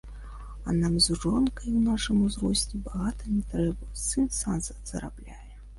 А нам з жонкай у нашым узросце багата не трэба, сын сам зарабляе.